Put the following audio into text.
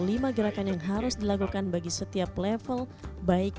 lima gerakan yang harus dilakukan bagi setiap level baik para pemula atau beginner